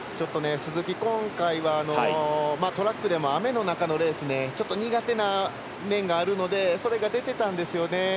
鈴木、今回はトラックでも雨の中のレースでちょっと苦手な面があるのでそれが出ていたんですよね。